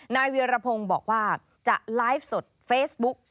เวียรพงศ์บอกว่าจะไลฟ์สดเฟซบุ๊ก